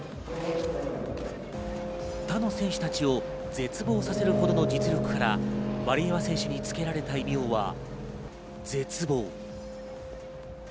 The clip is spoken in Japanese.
他の選手たちを絶望させるほどの実力からワリエワ選手に付けられた異名は「絶望」。